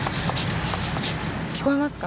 聞こえますか？